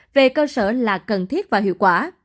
về cơ sở là cần thiết và hiệu quả